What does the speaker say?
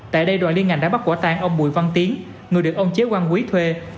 tại đây đoàn liên ngành đã bắt quả tan ông bùi văn tiến người được ông chế quang quý thuê